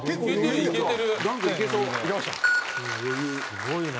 すごいな。